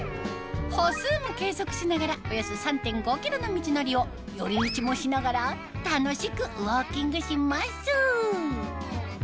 歩数も計測しながらおよそ３．５ｋｍの道のりを寄り道もしながら楽しくウォーキングします